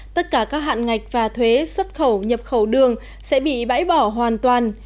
tất cả các hạn ngạch và thuế xuất khẩu nhập khẩu đường sẽ bị bãi bỏ hoàn toàn